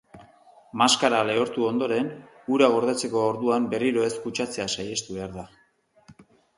Maskara lehortu ondoren, hura gordetzeko orduan berriro ez kutsatzea saihestu behar da.